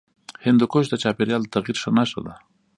هندوکش د چاپېریال د تغیر نښه ده.